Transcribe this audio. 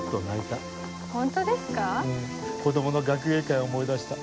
うん子供の学芸会を思い出した。